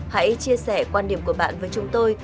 hãy chia sẻ quan điểm của bạn với chúng tôi